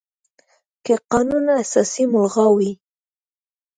که قانون اساسي ملغا وي،